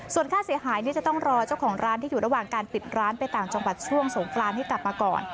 ส่วนค่าเสียหายจะต้องรอเจ้าของร้านที่อยู่ระหว่างการปิดร้านไปต่างจังหวัดช่วงสงกรานให้กลับมาก่อน